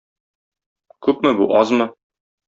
Күпме бу, азмы?